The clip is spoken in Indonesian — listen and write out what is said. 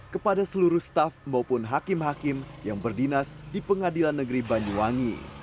kepada seluruh staff maupun hakim hakim yang berdinas di pengadilan negeri banyuwangi